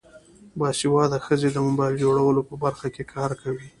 باسواده ښځې د موبایل جوړولو په برخه کې کار کوي.